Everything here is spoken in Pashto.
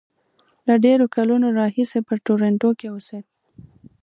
له ډېرو کلونو راهیسې په ټورنټو کې اوسېد.